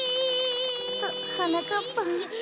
ははなかっぱん。